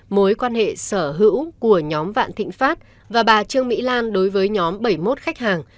mối quan hệ sở hữu của nhóm vạn thịnh pháp và bà trương mỹ lan đối với nhóm bảy mươi một khách hàng